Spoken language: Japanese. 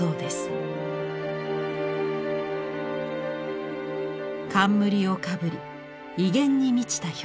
冠をかぶり威厳に満ちた表情。